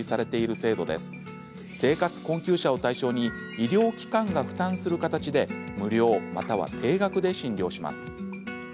生活困窮者を対象に医療機関が負担する形で無料または低額で診療します。